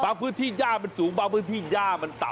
พื้นที่ย่ามันสูงบางพื้นที่ย่ามันต่ำ